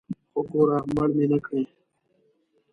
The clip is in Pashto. خو ګوره مړ مې نکړې.